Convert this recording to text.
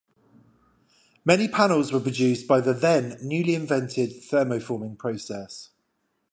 Many panels were produced by the then-newly invented thermoforming process.